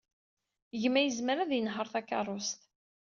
Gma yezmer ad yenheṛ takeṛṛust.